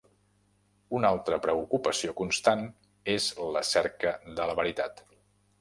Una altra preocupació constant és la cerca de la veritat.